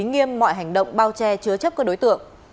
nghiêm mọi hành động bao che chứa chấp các đối tượng